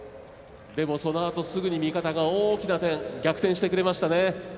そのあとすぐに味方が大きな点、逆転してくれましたね。